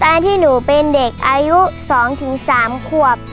ที่หนูเป็นเด็กอายุ๒๓ขวบ